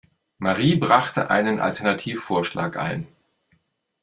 Marie brachte einen Alternativvorschlag ein.